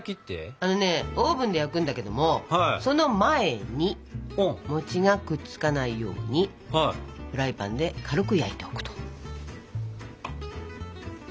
あのねオーブンで焼くんだけどもその前にがくっつかないようにフライパンで軽く焼いておくと。